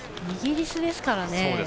イギリスですからね。